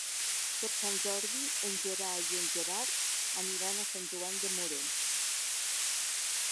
Per Sant Jordi en Gerai i en Gerard aniran a Sant Joan de Moró.